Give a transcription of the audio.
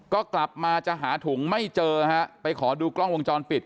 ก็กลับมาจะหาถุงไม่เจอฮะไปขอดูกล้องวงจรปิด